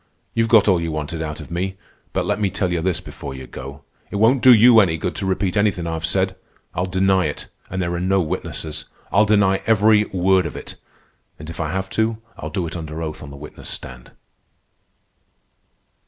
You've got all you wanted out of me. But let me tell you this before you go. It won't do you any good to repeat anything I've said. I'll deny it, and there are no witnesses. I'll deny every word of it; and if I have to, I'll do it under oath on the witness stand."